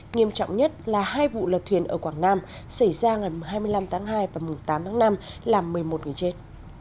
nghiêm trọng nhất là hai vụ lật thuyền ở quảng nam xảy ra ngày hai mươi năm tháng hai và tám tháng năm làm một mươi một người chết